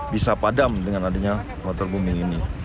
bisa padam dengan adanya waterbombing ini